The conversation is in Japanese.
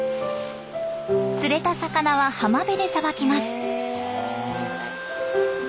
釣れた魚は浜辺でさばきます。